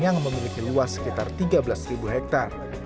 yang memiliki luas sekitar tiga belas hektare